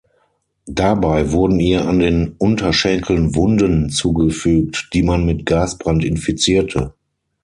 Dabei wurden ihr an den Unterschenkeln Wunden zugefügt, die man mit Gasbrand infizierte.